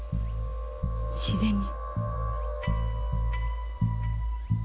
自然に。